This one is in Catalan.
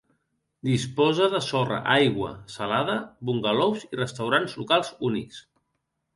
Disposa de sorra, aigua salada, bungalous i restaurants locals únics.